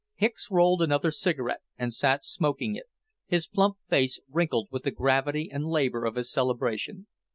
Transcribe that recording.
Hicks rolled another cigarette and sat smoking it, his plump face wrinkled with the gravity and labour of his cerebration.